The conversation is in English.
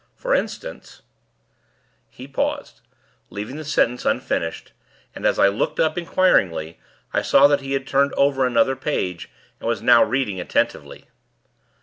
For instance " He paused, leaving the sentence unfinished, and as I looked up inquiringly I saw that he had turned over another page, and was now reading attentively.